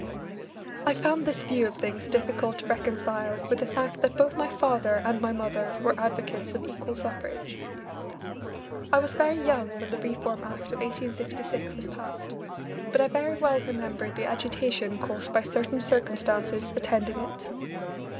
I found this view of things difficult to reconcile with the fact that both my father and my mother were advocates of equal suffrage. I was very young when the Reform Act of 1866 was passed, but I very well remember the agitation caused by certain circumstances attending it.